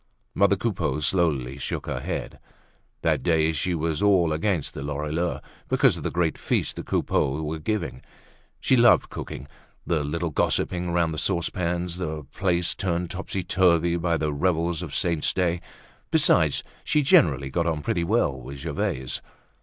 Mother Coupeau slowly shook her head. That day she was all against the Lorilleuxs, because of the great feast the Coupeaus were giving. She loved cooking, the little gossipings round the saucepans, the place turned topsy turvy by the revels of saints' days. Besides she generally got on pretty well with Gervaise.